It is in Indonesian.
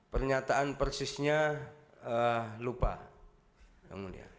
pernyataan persisnya lupa